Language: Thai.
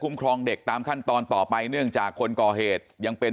ครองเด็กตามขั้นตอนต่อไปเนื่องจากคนก่อเหตุยังเป็น